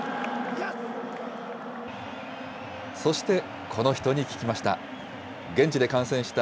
そして、この人に聞きました。